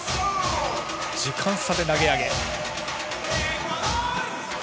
時間差で投げ上げ。